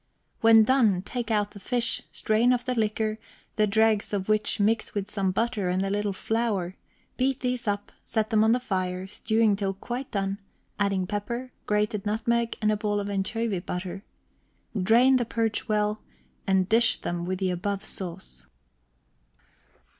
When done, take out the fish, strain off the liquor, the dregs of which mix with some butter and a little flour; beat these up, set them on the fire, stewing till quite done, adding pepper, grated nutmeg, and a ball of anchovy butter. Drain the perch well, and dish them with the above sauce.